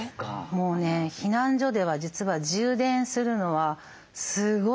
もうね避難所では実は充電するのはすごい争いになるんですよ。